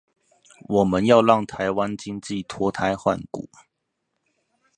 我們要讓臺灣經濟脫胎換骨